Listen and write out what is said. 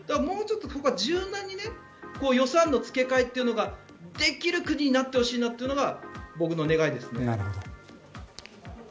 もうちょっとここは柔軟に予算の付け替えというのができる国になってほしいなというのが僕の願いですね。